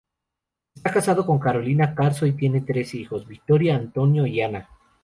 Está casado con Carolina Carazo y tiene tres hijos: Victoria, Antonio y Ana.